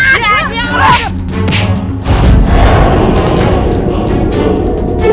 akhirnya aku bisa menguasai mukyat santan